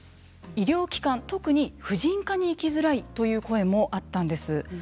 医療機関、特に婦人科に行きづらいという声もあったんです。